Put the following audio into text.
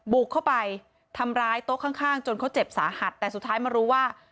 บุกเข้าไปทำร้ายโต๊ะข้างจนเขาเจ็บสาหัสแต่สุดท้ายมารู้ว่า